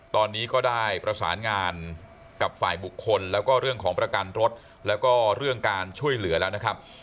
ตอนนี้ก็ได้ประสานงานกับฝ่ายบุคคลแล้วก็เรื่องของประกันรถแล้วก็เรื่องการช่วยเหลือแล้วนะครับ